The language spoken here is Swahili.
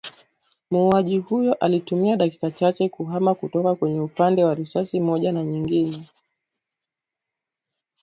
Muuaji huyo alitumia dakika chache kuhama kutoka kwenye upande wa risasi moja na nyingine